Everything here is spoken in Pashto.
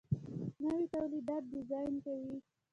نوي تولیدات ډیزاین کوي.